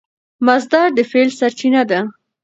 مصدر د فعل سرچینه ده.